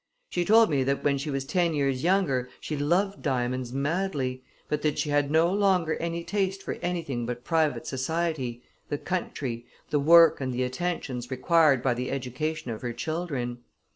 She told me that when she was ten years younger she loved diamonds madly, but that she had no longer any taste for anything but private society, the country, the work and the attentions required by the education of her children.